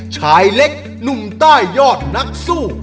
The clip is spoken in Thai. ชายเล็กหนุ่มใต้ยอดนักสู้